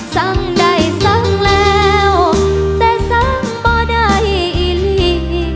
สังใดสังแล้วแต่สังบ่ได้อีฬี